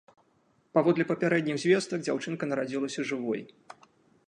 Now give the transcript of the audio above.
Паводле папярэдніх звестак, дзяўчынкай нарадзілася жывой.